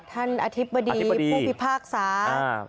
อธิบดีผู้พิพากษา